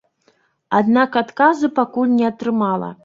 Аднак адказу пакуль не атрымала.